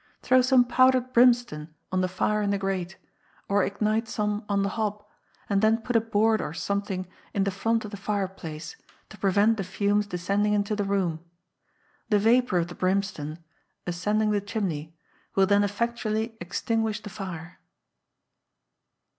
Throw some powdered brimstone on the fire in the grate, or ignite some on the hob, and then put a board or something in the front of the fireplace, to prevent the fumes descending into the room. The vapour of the brimstone, ascending the chimney, will then effectually extinguish the fire.